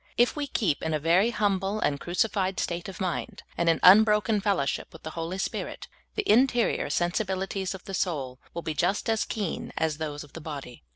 If we keep in a very humble and crucified vState of mind, and in unbroken fellowship with the Holy Spirit, the interior sensibili ties of the soul will be just as keen as those of the body.